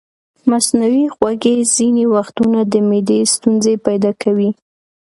مصنوعي خوږې ځینې وختونه د معدې ستونزې پیدا کوي.